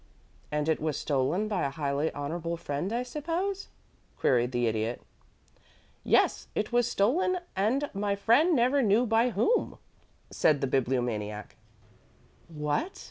"And it was stolen by a highly honorable friend, I suppose?" queried the Idiot. "Yes, it was stolen and my friend never knew by whom," said the Bibliomaniac. "What?"